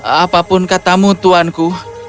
apapun katamu tuanku